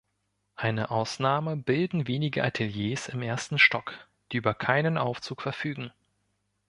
Eine Ausnahme bilden wenige Ateliers im ersten Stock, die über keinen Aufzug verfügen.